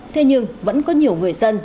thế nhưng vẫn có nhiều người dân